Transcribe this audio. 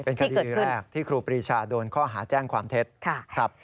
เป็นคดีแรกที่ครูปรีชาโดนข้อหาแจ้งความเท็จครับ